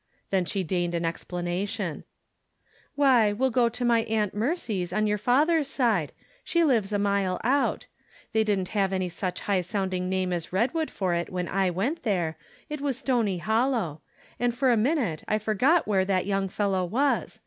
Then she deigned an explanation :" Why, we'll go to my Aunt Mercy's on your father's side ; she lives a mile out. They didn't have any such high sounding name as Redwood for it when I went there — ^it was Stony HoUow; and for a minute I forgot where that young fellow was.